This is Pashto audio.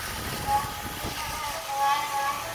د نېښ لرونکو کلماتو له اظهارولو څخه لاس وانخیست